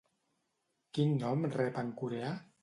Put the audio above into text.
Quin nom rep en coreà?